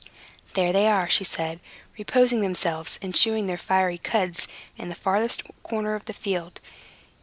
"There they are," said she, "reposing themselves and chewing their fiery cuds in that farthest corner of the field.